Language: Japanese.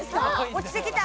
落ちてきた！